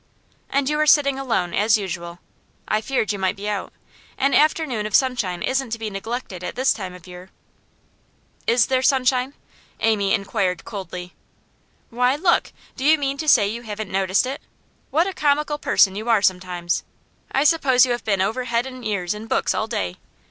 'And you are sitting alone, as usual. I feared you might be out; an afternoon of sunshine isn't to be neglected at this time of year.' 'Is there sunshine?' Amy inquired coldly. 'Why, look! Do you mean to say you haven't noticed it? What a comical person you are sometimes! I suppose you have been over head and ears in books all day.